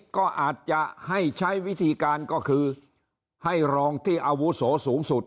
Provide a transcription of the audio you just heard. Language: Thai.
ก็อาจจะให้ใช้วิธีการก็คือให้รองที่อาวุโสสูงสุด